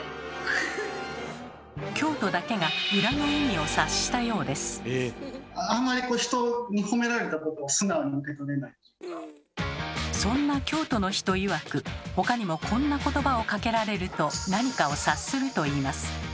京都だけがそんな京都の人いわく他にもこんな言葉をかけられるとなにかを察するといいます。